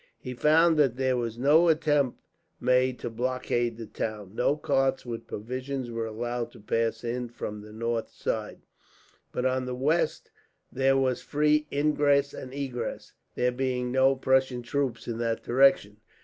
He found that there was no attempt made to blockade the town. No carts with provisions were allowed to pass in from the north side, but on the west there was free ingress and egress, there being no Prussian troops in that direction.